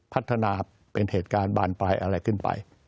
พัฒนาเป็นเหตุการณ์บานปลายอะไรขึ้นไป